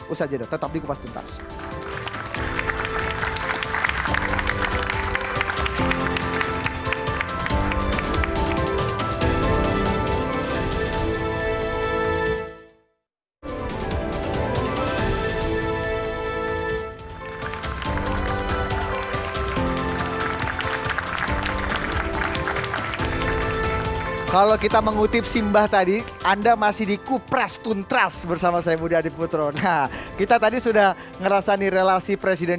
ustadz jadwal tetap di kupas tintas